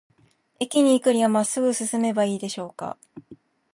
駅に行くには、まっすぐ進めばいいでしょうか。